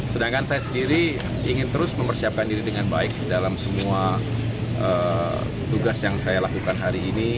sedangkan saya sendiri ingin terus mempersiapkan diri dengan baik dalam semua tugas yang saya lakukan hari ini